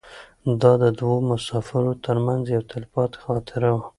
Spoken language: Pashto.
دا د دوو مسافرو تر منځ یوه تلپاتې خاطره وه.